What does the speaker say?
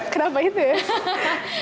kenapa itu ya